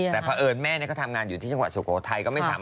แต่พอเอิญแม่ทำงานอยู่ที่จังหวัดสุโกทไทย